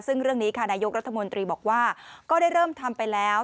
ซึ่งเรื่องนี้ค่ะนายกรัฐมนตรีบอกว่าก็ได้เริ่มทำไปแล้ว